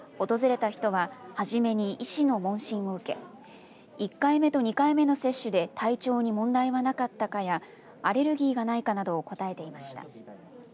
訪れた人は始めに医師の問診を受け１回目と２回目の接種で体調に問題はなかったかやアレルギーがないかなどを答えていました。